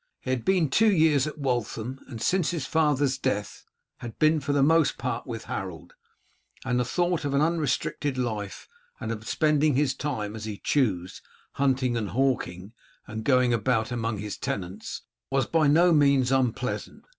He had been two years at Waltham, and since his father's death had been for the most part with Harold, and the thought of an unrestricted life and of spending his time as he chose, hunting and hawking, and going about among his tenants, was by no means unpleasant.